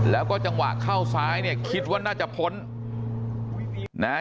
แล้วก็จังหวะเข้าซ้ายเนี่ยคิดว่าน่าจะพ้นนะฮะ